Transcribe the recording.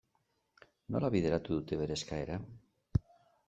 Nola bideratu dute bere eskaera?